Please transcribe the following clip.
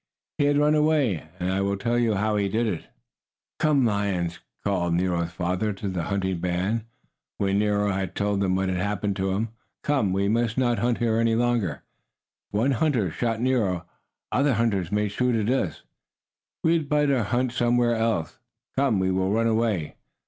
He had run away; and I will tell you how he did it. "Come, lions!" called Nero's father to the hunting band, when Nero had told what had happened to him. "Come, we must not hunt here any longer. If one hunter shot Nero, other hunters may shoot at us. We had better hunt somewhere else. Come, we will run away.